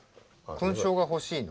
勲章が欲しいの？